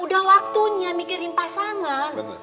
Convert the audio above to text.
udah waktunya mikirin pasangan